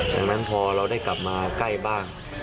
ดังนั้นพอเราได้กลับมาใกล้บ้าน